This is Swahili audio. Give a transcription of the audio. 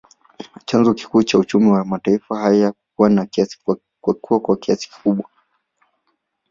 Chanzo kikubwa cha uchumi wa mataifa haya kukua kwa kasi kubwa